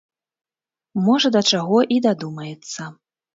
Можа, да чаго і дадумаецца.